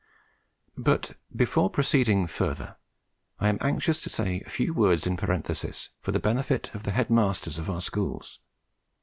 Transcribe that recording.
But, before proceeding further, I am anxious to say a few words in parenthesis for the benefit of the Head Masters of our schools.